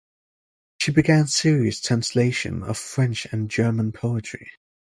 She began serious translation of French and German poetry.